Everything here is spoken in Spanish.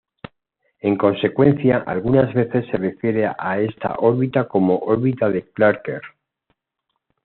En consecuencia, algunas veces se refiere a esta órbita como órbita de Clarke.